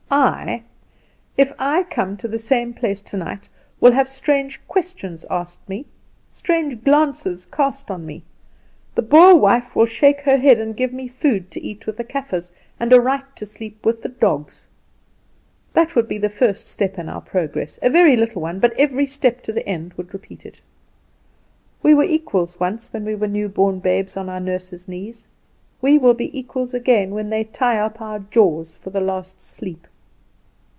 I, if I come to the same place tonight, will have strange questions asked me, strange glances cast on me. The Boer wife will shake her head and give me food to eat with the Kaffers, and a right to sleep with the dogs. That would be the first step in our progress a very little one, but every step to the end would repeat it. We were equals once when we lay new born babes on our nurses' knees. We will be equals again when they tie up our jaws for the last sleep!"